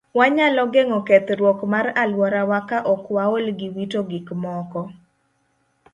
Wanyalo geng'o kethruok mar alworawa ka ok waol gi wito gik moko.